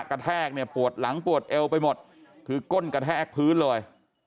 แทกเนี่ยปวดหลังปวดเอวไปหมดคือก้นกระแทกพื้นเลย